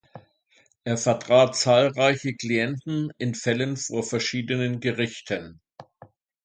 Er vertrat zahlreiche Klienten in Fällen vor verschiedenen Gerichten.